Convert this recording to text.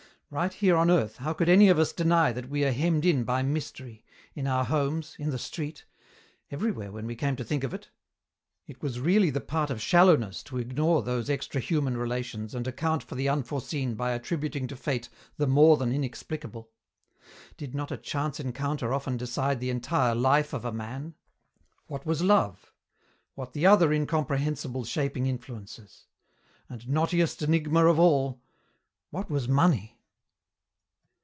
Right here on earth how could any of us deny that we are hemmed in by mystery, in our homes, in the street, everywhere when we came to think of it? It was really the part of shallowness to ignore those extrahuman relations and account for the unforeseen by attributing to fate the more than inexplicable. Did not a chance encounter often decide the entire life of a man? What was love, what the other incomprehensible shaping influences? And, knottiest enigma of all, what was money?